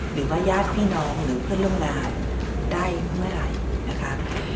หรือว่าญาติพี่น้องหรือเพื่อนร่วมงานได้เมื่อไหร่นะคะ